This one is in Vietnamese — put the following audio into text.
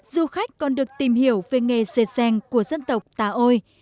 dù khách còn được tìm hiểu về nghề dệt dàng của dân tộc tà ôi